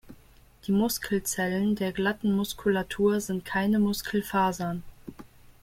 Die Muskelzellen der glatten Muskulatur sind keine Muskelfasern.